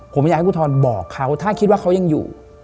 ผมอยากให้ครูทรบอกเขาถ้าคิดว่าเขายังอยู่